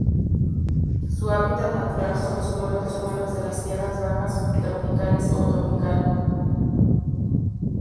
Su hábitat natural son los bosques húmedos de las tierras bajas subtropicales o tropical.